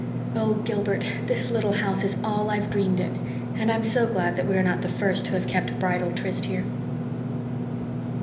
Oh, Gilbert, this little house is all I've dreamed it. And I'm so glad that we are not the first who have kept bridal tryst here!"